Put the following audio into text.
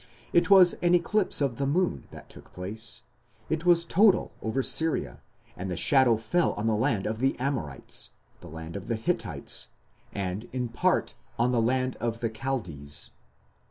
It was an eclipse of the moon that took place.... It was total over Syria, and the shadow fell on the land of the Amorites, the land of the Hittites, and in part on the land of the Chaldees."